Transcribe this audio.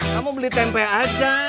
kamu beli tempe aja